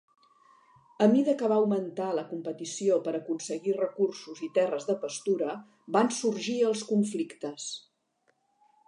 A mida que va augmentar la competició per aconseguir recursos i terres de pastura, van sorgir els conflictes.